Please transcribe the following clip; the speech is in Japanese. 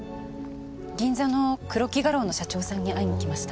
銀座の黒木画廊の社長さんに会いに来ました。